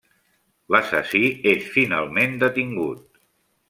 L'assassí és finalment detingut.